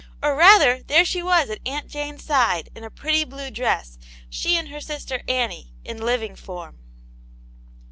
Or rather, there she was at Aunt Jane*s side, in a pretty blue dress ; she and her sister Annie, in living form.